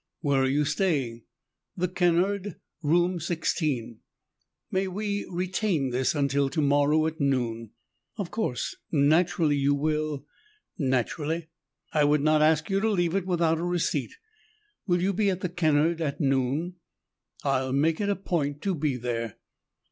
"Where are you staying?" "The Kennard. Room sixteen." "May we retain this until tomorrow at noon?" "Of course, naturally you will " "Naturally. I would not ask you to leave it without a receipt. Will you be at the Kennard at noon?" "I'll make it a point to be there."